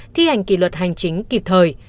thi hành kỷ luật hành chính kịp thời